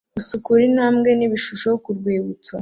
gusukura intambwe nibishusho kurwibutso